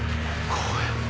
怖え。